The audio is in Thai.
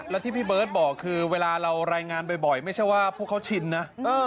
แล้วที่พี่เบิร์ตบอกคือเวลาเรารายงานบ่อยไม่ใช่ว่าพวกเขาชินนะ